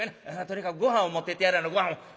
とにかくごはんを持ってってやらなごはんを。